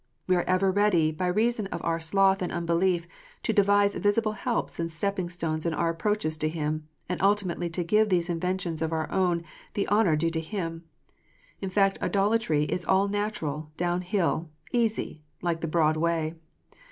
We are ever ready, by reason of our sloth and unbelief, to devise visible helps and stepping stones in our approaches to Him, and ultimately to give these inventions of our own the honour due to Him. In fact, idolatry is all natural, down hill, easy, like the broad way.